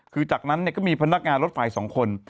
คือจากนั้นก็มีพนักงานรถไฟ๒คน